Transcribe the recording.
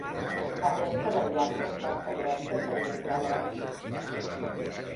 Aquesta variable està establerta per a indicar l'hora actual.